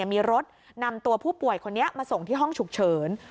มีรถนำตัวผู้ป่วยคนนี้มาส่งที่ห้องฉุกเฉิน